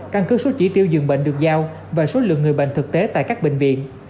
căn cứ số chỉ tiêu dường bệnh được giao và số lượng người bệnh thực tế tại các bệnh viện